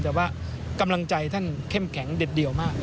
แต่ว่ากำลังใจท่านเข้มแข็งเด็ดเดี่ยวมาก